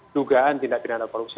dugaan tindak tindakan pelaku